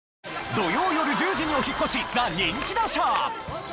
土曜よる１０時にお引っ越し『ザ・ニンチドショー』。